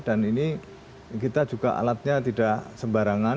dan ini kita juga alatnya tidak sembarangan